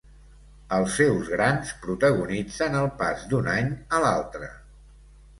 Els seus grans protagonitzen el pas d'un any a l'altre.